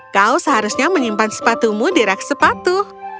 kau seharusnya menyimpan sepatumu di rak sepatu